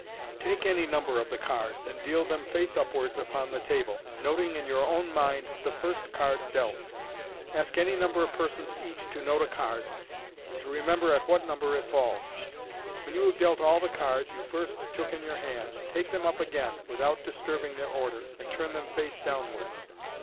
— Take any number of the cards, and deal them face upwards upon the table, noting in your own mind the first card dealt. Ask any number of persons each to note a card, and to remember at what number it falls. When you have dealt all the cards you first took in your hand, take them up again, without disturbing their order, and turn them face downwards.